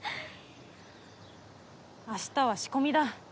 明日は仕込みだ。